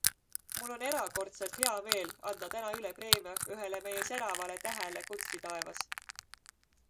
Mul on erakordselt hea meel anda täna üle preemia ühele meie säravale tähele kunstitaevas.